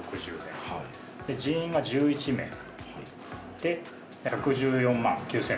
人員が１１名で１１４万９０６０円。